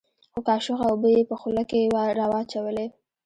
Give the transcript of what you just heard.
څو کاشوغه اوبه يې په خوله کښې راواچولې.